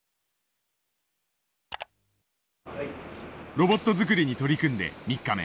ロボット作りに取り組んで３日目。